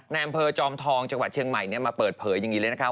ในอำเภอจอมทองจังหวัดเชียงใหม่มาเปิดเผยอย่างนี้เลยนะคะ